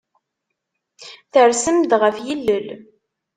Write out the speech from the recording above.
Tersem-d ɣef yilel.